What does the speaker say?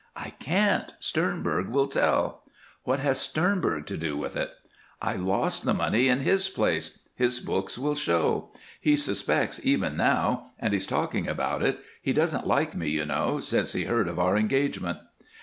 "I can't. Sternberg will tell." "What has Sternberg to do with it?" "I lost the money in his place his books will show. He suspects, even now, and he's talking about it. He doesn't like me, you know, since he heard of our engagement."